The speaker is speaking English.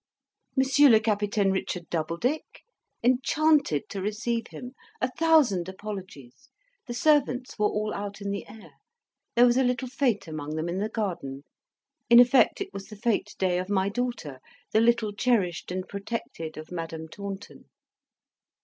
Monsieur le Capitaine Richard Doubledick? Enchanted to receive him! A thousand apologies! The servants were all out in the air. There was a little fete among them in the garden. In effect, it was the fete day of my daughter, the little cherished and protected of Madame Taunton.